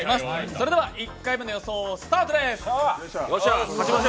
それでは１回目の予想スタートです。